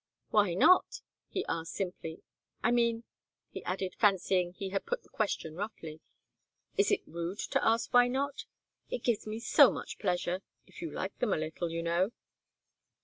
"Why not?" he asked, simply. "I mean," he added, fancying he had put the question roughly, "is it rude to ask why not? It gives me so much pleasure if you like them a little, you know."